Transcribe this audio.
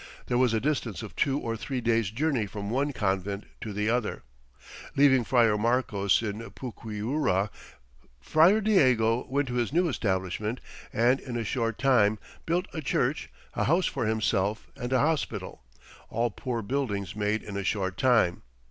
There was a distance of two or three days journey from one Convent to the other. Leaving Friar Marcos in Puquiura, Friar Diego went to his new establishment and in a short time built a church, a house for himself, and a hospital, all poor buildings made in a short time."